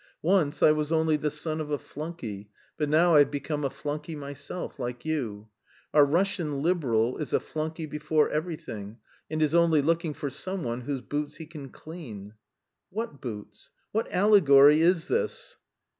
Once I was only the son of a flunkey, but now I've become a flunkey myself, like you. Our Russian liberal is a flunkey before everything, and is only looking for someone whose boots he can clean." "What boots? What allegory is this?"